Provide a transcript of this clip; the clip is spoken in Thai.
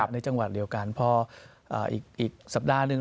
ในจังหวัดเดียวกันพออีกสัปดาห์หนึ่ง